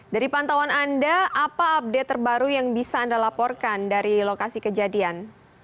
dari pantauan anda apa update terbaru yang bisa anda laporkan dari lokasi kejadian